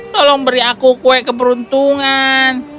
tolong beri aku kue keberuntungan